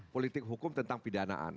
politik hukum tentang pidanaan